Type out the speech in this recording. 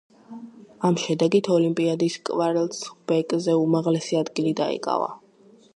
ამ შედეგით ოლიმპიადის კვარცხლბეკზე უმაღლესი ადგილი დაიკავა.